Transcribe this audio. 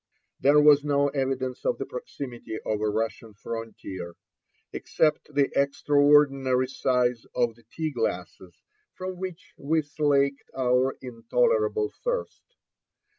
There was no evidence of the proximity of a Russian frontier, except the extraordinary size of the tea glasses, from which we slaked our intolerable thirst.